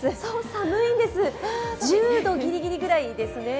寒いんです、１０度ギリギリぐらいですね。